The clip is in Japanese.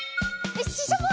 ししゃも！